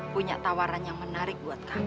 punya tawaran yang menarik buat kami